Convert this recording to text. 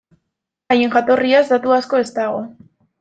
Haien jatorriaz datu asko ez dago.